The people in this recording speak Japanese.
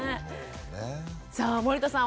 さあ森田さん